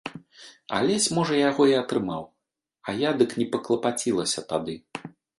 Алесь можа яго і атрымаў, а я дык не паклапацілася тады.